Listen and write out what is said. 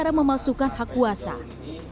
maka mengubah nama renaissance nya seperti apa